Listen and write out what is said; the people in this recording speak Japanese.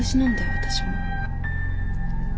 私も。